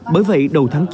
bởi vậy đầu tháng chín